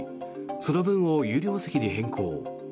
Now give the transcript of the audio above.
その分を有料席に変更。